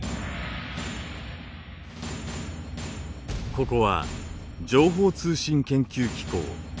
ここは情報通信研究機構。